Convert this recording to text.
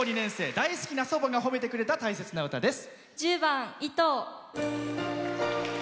大好きな祖母が褒めてくれた大切な歌です。